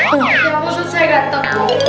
ya maksud saya gak tau